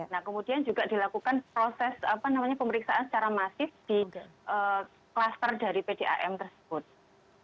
nah kemudian juga dilakukan proses pemeriksaan secara masif di kluster dari pdam tersebut